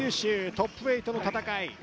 トップ８の戦い。